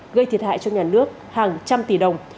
gây thiệt hại cho nhà nước hàng trăm tỷ đồng